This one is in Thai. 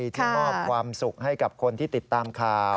ที่มอบความสุขให้กับคนที่ติดตามข่าว